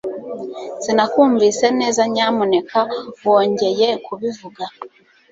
Sinakumvise neza Nyamuneka wongeye kubivuga